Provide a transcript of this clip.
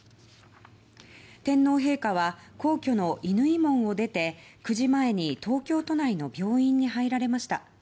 天皇陛下は皇居の乾門を出て９時前に東京都内の病院に入られました。